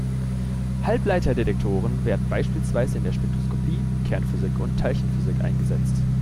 Halbleiterdetektoren werden beispielsweise in der Spektroskopie, Kernphysik und Teilchenphysik eingesetzt.